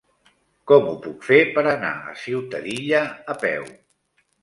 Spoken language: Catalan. Com ho puc fer per anar a Ciutadilla a peu?